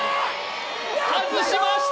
外しました